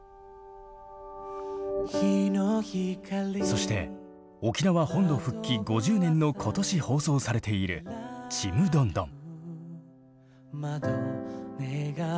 そして沖縄本土復帰５０年の今年放送されている「ちむどんどん」。